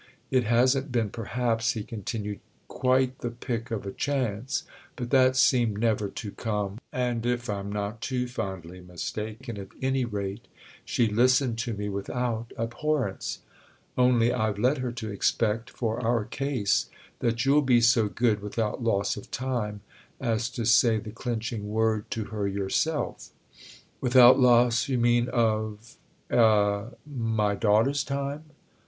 It hasn't been perhaps," he continued, "quite the pick of a chance; but that seemed never to come, and if I'm not too fondly mistaken, at any rate, she listened to me without abhorrence. Only I've led her to expect—for our case—that you'll be so good, without loss of time, as to say the clinching word to her yourself." "Without loss, you mean, of—a—my daughter's time?"